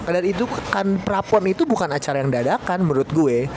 dan itu kan pra pon itu bukan acara yang dadakan menurut gue